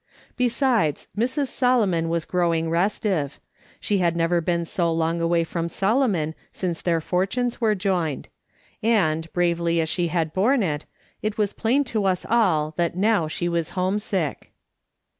Besides, Mrs. Solomon was growing restive ; she had never been so long away from Solomon since their fortunes were joined ; and, bravely as she had borne it, it was plain to us all that now she was homesick.